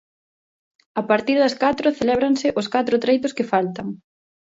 A partir das catro celébranse os catro treitos que faltan.